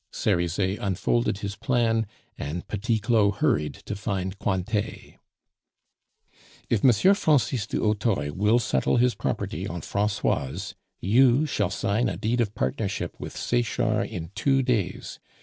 Cerizet unfolded his plan, and Petit Claud hurried to find Cointet. "If M. Francis du Hautoy will settle his property on Francoise, you shall sign a deed of partnership with Sechard in two days.